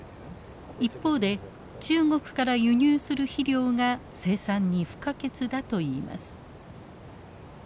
一方で中国から輸入する肥料が生産に不可欠だといいます。